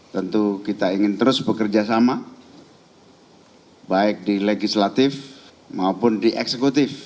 tentu kita ingin terus bekerja sama baik di legislatif maupun di eksekutif